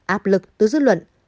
áp lực tứ dứt luận